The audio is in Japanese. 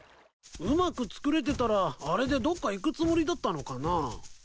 うまく作れてたらあれでどっか行くつもりだったのかな？